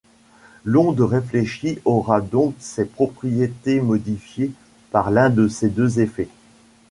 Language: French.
L’onde réfléchie aura donc ses propriétés modifiées par l’un de ces deux effets.